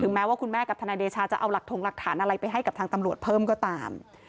แม้ว่าคุณแม่กับทนายเดชาจะเอาหลักถงหลักฐานอะไรไปให้กับทางตำรวจเพิ่มก็ตาม